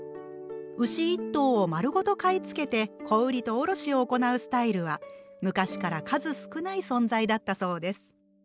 牛一頭を丸ごと買い付けて小売りと卸を行うスタイルは昔から数少ない存在だったそうです。